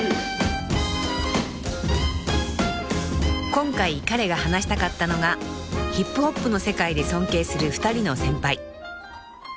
［今回彼が話したかったのがヒップホップの世界で尊敬する２人の先輩］